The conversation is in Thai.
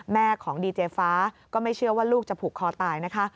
แม่ของดีเจฟ้าก็ไม่เชื่อว่าลูกจะผูกคอตายนะคะ